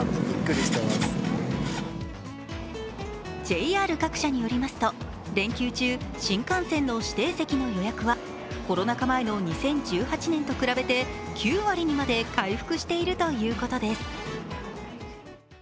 ＪＲ各社によりますと、連休中、新幹線の指定席の予約はコロナ禍前の２０１８年と比べて９割にまで回復しているということです。